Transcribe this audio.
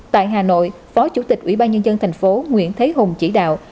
tại hà nội phó chủ tịch ủy ban nhân dân thành phố nguyễn thế hùng chỉ đạo